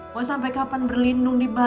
mau sampai kapan berlindung di bali